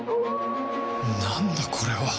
なんだこれは